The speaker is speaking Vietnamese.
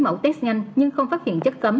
mẫu test nhanh nhưng không phát hiện chất cấm